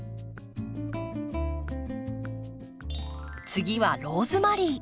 次はローズマリー。